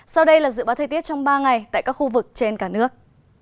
sau đây là dự báo thời tiết trong ba ngày tại các khu vực trên cả nước